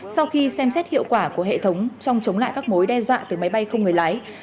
sau khi xem xét hiệu quả của hệ thống trong chống lại các mối đe dọa từ máy bay không người lái